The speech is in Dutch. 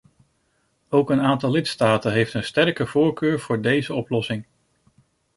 Ook een aantal lidstaten heeft een sterke voorkeur voor deze oplossing.